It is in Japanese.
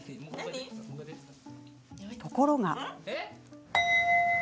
ところが。